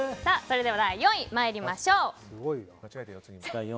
それでは４位参りましょう。